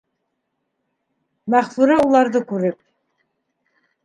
Мәғфүрә уларҙы күреп: